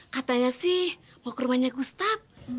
katanya sih mau ke rumahnya gustap